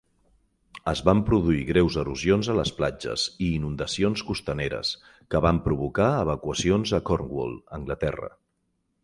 Es van produir greus erosions a les platges i inundacions costaneres, que van provocar evacuacions a Cornwall, Anglaterra.